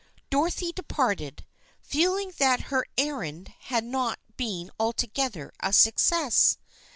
Dorothy departed, feeling that her errand had not been altogether a success.